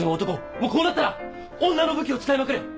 もうこうなったら女の武器を使いまくれ！